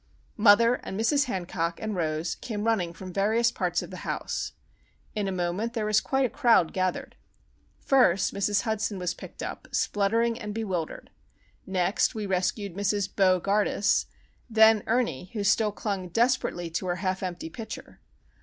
Mother, and Mrs. Hancock, and Rose came running from various parts of the house. In a moment there was quite a crowd gathered. First Mrs. Hudson was picked up, spluttering and bewildered; next we rescued Mrs. Bo gardus; then Ernie, who still clung desperately to her half empty pitcher.